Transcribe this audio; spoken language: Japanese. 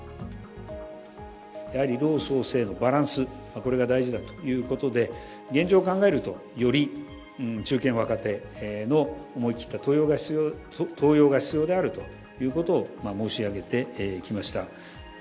やはり、老壮青のバランス、これが大事だということで、現状を考えると、より中堅・若手の思い切った登用が必要であるということを申し上げてきました。